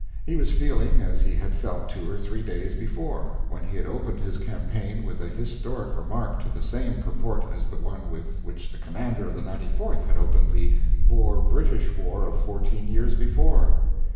He was feeling as he had felt two or three days before, when he had opened his campaign with a historic remark to the same purport as the one with which the commander of the 94th had opened the Boer British war of fourteen years before.